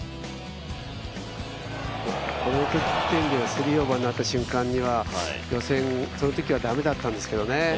３オーバーになった瞬間には予選、そのときは駄目だったんですけどね。